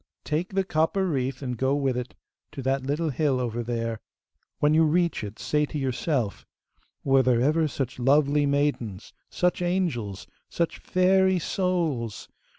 'Take the copper wreath, and go with it to that little hill over there. When you reach it, say to yourself, "Were there ever such lovely maidens! such angels! such fairy souls!"